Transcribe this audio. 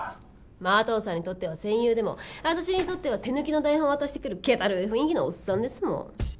麻藤さんにとっては戦友でも私にとっては手抜きの台本を渡してくるけだるい雰囲気のオッサンですもん。